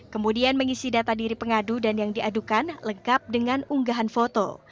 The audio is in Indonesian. kemudian mengisi data diri pengadu dan yang diadukan lengkap dengan unggahan foto